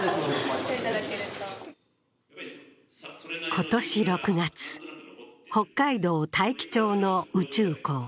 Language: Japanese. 今年６月、北海道大樹町の宇宙港。